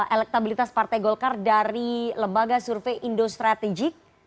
elektabilitas partai golkar dari lembaga survei indostrategik